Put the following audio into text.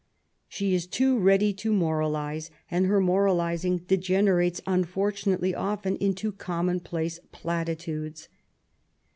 She is too ready to moralize^ and her moralizing degenerates unfortunately often into commonplace plati tudes.